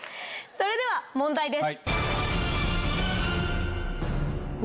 それでは問題です。